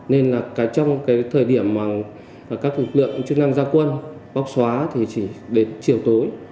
nên là trong cái thời điểm mà các lực lượng chức năng gia quân bóc xóa thì chỉ đến chiều tối